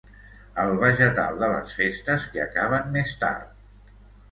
El vegetal de les festes que acaben més tard.